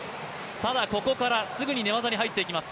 ただここからすぐに寝技に入っていきます。